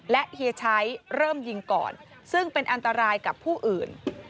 เฮียชัยเริ่มยิงก่อนซึ่งเป็นอันตรายกับผู้อื่น